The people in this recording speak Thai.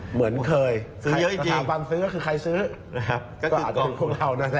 เหมือนเคยสถาบันซื้อใครซื้อก็คือคนเรานั่นแหละ